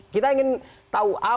kita ingin tahu apa sebenarnya